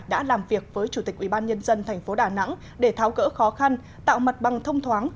đã làm việc với chủ tịch ubnd tp đà nẵng để tháo cỡ khó khăn tạo mặt bằng thông thoáng